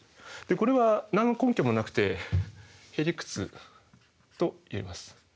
これは何の根拠もなくてヘリクツと言えます。